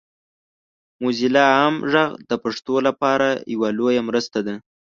موزیلا عام غږ د پښتو لپاره یوه لویه مرسته ده.